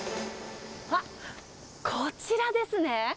あっ、こちらですね。